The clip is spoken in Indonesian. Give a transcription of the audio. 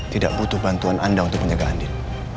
tidak butuh bantuan anda untuk menjaga andin